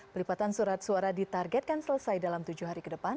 pelipatan surat suara ditargetkan selesai dalam tujuh hari ke depan